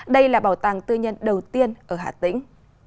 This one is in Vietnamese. đây là bảo tàng tư nhân đầu tiên ở hà tĩnh